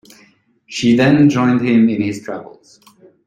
She then joined him in his travels.